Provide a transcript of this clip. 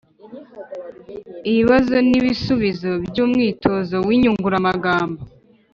Ibibazo n’ibisubizo by’umwitozo w’inyunguramagambo